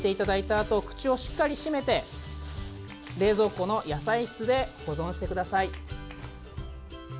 あと口をしっかり閉めて、冷蔵庫の野菜室で保存してください。